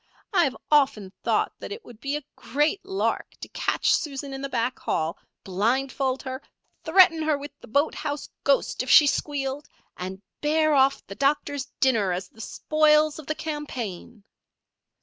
I have often thought that it would be a great lark to catch Susan in the back hall, blindfold her, threaten her with the boathouse ghost if she squealed, and bear off the doctor's dinner as the spoils of the campaign."